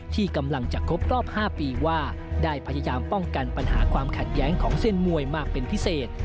ที่กำลังจะครบรอบ๕ปีว่าได้พยายามป้องกันปัญหาความขัดแย้งของเส้นมวยมากเป็นพิเศษ